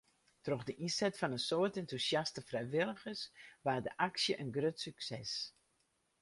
Troch de ynset fan in soad entûsjaste frijwilligers waard de aksje in grut sukses.